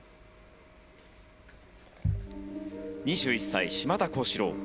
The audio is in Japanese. ２１歳、島田高志郎。